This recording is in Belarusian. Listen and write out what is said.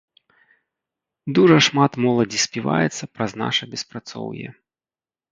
Дужа шмат моладзі співаецца праз наша беспрацоўе.